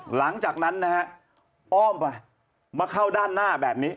หลังจากนั้นนะฮะอ้อมไปมาเข้าด้านหน้าแบบนี้